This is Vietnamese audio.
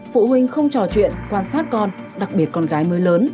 phụ huynh không trò chuyện quan sát con đặc biệt con gái mới lớn